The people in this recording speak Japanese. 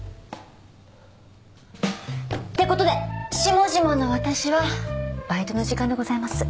って事で下々の私はバイトの時間でございます。